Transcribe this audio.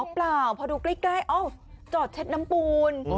เปล่าพอดูใกล้จอดเช็ดน้ำปูน